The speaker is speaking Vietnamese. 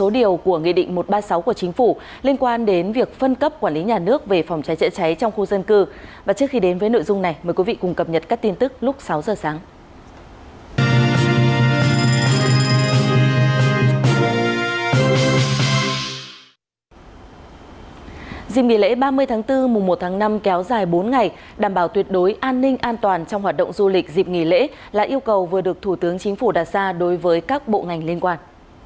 dịp nghỉ lễ ba mươi tháng bốn mùa một tháng năm kéo dài bốn ngày đảm bảo tuyệt đối an ninh an toàn trong hoạt động du lịch dịp nghỉ lễ là yêu cầu vừa được thủ tướng chính phủ đặt ra đối với các bộ ngành liên quan